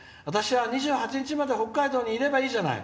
２８日まで、北海道にいればいいじゃない。